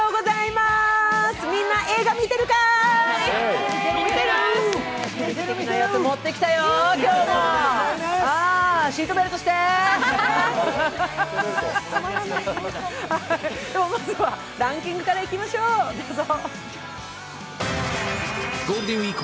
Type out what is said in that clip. まずはランキングからいきましょう、どうぞ。